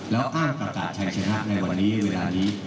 แล้วอ้างประกาศชายชนะในวันนี้เวลานี้